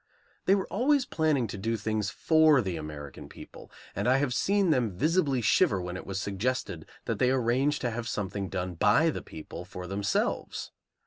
They were always planning to do things for the American people, and I have seen them visibly shiver when it was suggested that they arrange to have something done by the people for themselves.